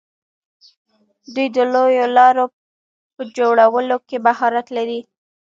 دوی د لویو لارو په جوړولو کې مهارت لري.